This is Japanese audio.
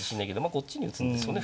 こっちに打つんですよね